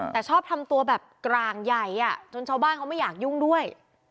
แต่ชอบทำตัวแบบกลางใหญ่จนชาวบ้านเขาไม่อยากยุ่งด้วย